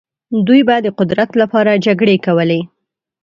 دوی به د قدرت لپاره جګړې کولې.